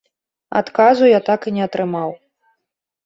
Адказу я так і не атрымаў.